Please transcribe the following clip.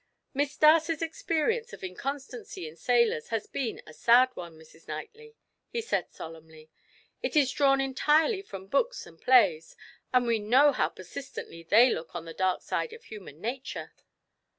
"Miss Darcy's experience of inconstancy in sailors has been a sad one, Mrs. Knightley," he said solemnly. "It is drawn entirely from books and plays, and we know how persistently they look on the dark side of human nature.